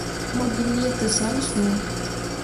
Mo gi lii tǝsal soo.